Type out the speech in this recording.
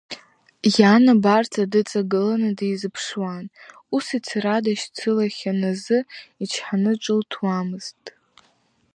Иан абарҵа дыҵагылан дизԥшуан, ус ицара дашьцылахьан азы, ичҳаны ҿылҭуамызт.